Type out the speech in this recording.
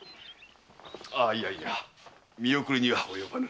いや見送りには及ばぬ。